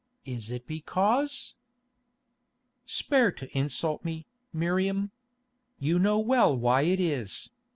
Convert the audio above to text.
Is it because——" "Spare to insult me, Miriam. You know well why it is.